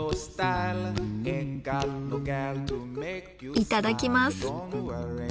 いただきます。